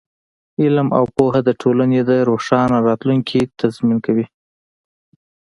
علم او پوهه د ټولنې د روښانه راتلونکي تضمین کوي.